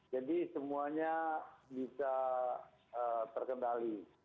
jadi semuanya bisa terkendali